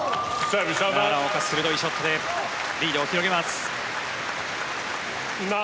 奈良岡、鋭いショットでリードを広げます。